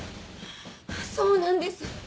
そうなんです！